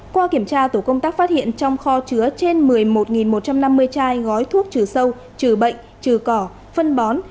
qua kiểm tra tổ công tác phát hiện trong kho chứa trên một mươi một một trăm năm mươi chai gói thuốc trừ sâu trừ bệnh trừ cỏ phân bón